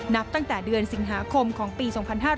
นับตั้งแต่เดือนสิงหาคมของปี๒๕๕๙